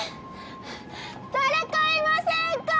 誰かいませんかー！